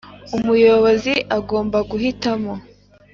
umuyobozi agomba guhitamo